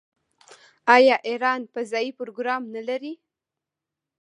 آیا ایران فضايي پروګرام نلري؟